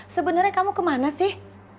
sebenernya kamu kemana sih